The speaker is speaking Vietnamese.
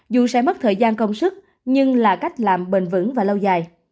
dù sẽ mất thời gian công sức nhưng là cách làm bền vững và lâu dài